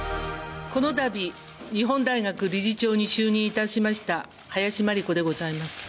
このたび、日本大学理事長に就任いたしました、林真理子でございます。